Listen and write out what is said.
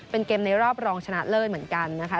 เป็นเกมในรอบรองชนะเลิศเหมือนกันนะคะ